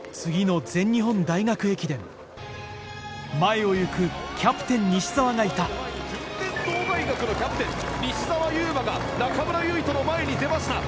次の前を行くキャプテン西澤がいた順天堂大学のキャプテン西澤侑真が中村唯翔の前に出ました。